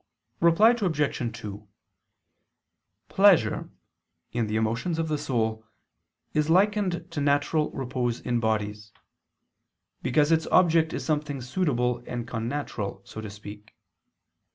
Reply Obj. 2: Pleasure, in the emotions of the soul, is likened to natural repose in bodies: because its object is something suitable and connatural, so to speak.